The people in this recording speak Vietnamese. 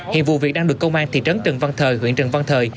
hiện vụ việc đang được công an thị trấn trần văn thời huyện trần văn thời